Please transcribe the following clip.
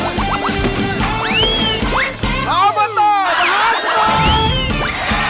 อบตมหาสนุก